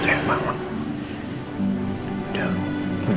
tapi masa keluarganya terlibat